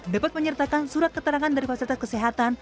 dapat menyertakan surat keterangan dari fasilitas kesehatan